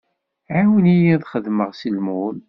Ɛiwen-iyi ad t-xedmeɣ s lmul.